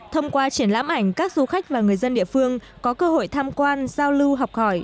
thông qua triển lãm ảnh các du khách và người dân địa phương có cơ hội tham quan giao lưu học hỏi